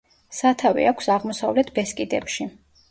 სათავე აქვს აღმოსავლეთ ბესკიდებში.